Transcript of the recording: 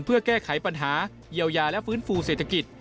เพื่อแก้ไขปัญหาเยียวยาและฟื้นฟูเศรษฐกิจ